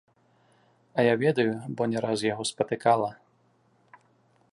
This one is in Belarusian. А я ведаю, бо не раз яго спатыкала.